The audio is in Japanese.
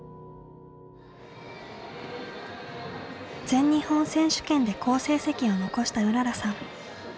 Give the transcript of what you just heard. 全日本選手権で好成績を残したうららさん。